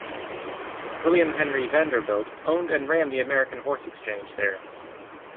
William Henry Vanderbilt owned and ran the American Horse Exchange there.